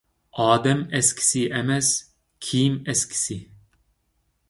ئادەم ئەسكىسى ئەمەس، كىيىم ئەسكىسى.